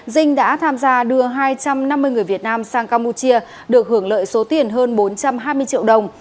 dinh đã tham gia đưa hai trăm năm mươi người việt nam sang campuchia được hưởng lợi số tiền hơn bốn trăm hai mươi triệu đồng